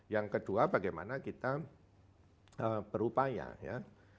yang kedua bagaimana kita berupaya ya